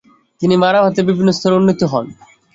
তিনি মারফাতের বিভিন্ন স্তরে উন্নীত হন।